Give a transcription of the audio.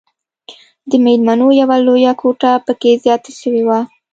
د ميلمنو يوه لويه کوټه پکښې زياته سوې وه.